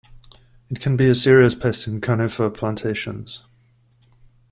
It can be a serious pest in conifer plantations.